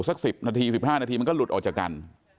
สัก๑๐นาที๑๕นาทีมันก็หลุดออกจากกัน